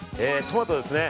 トマトですね。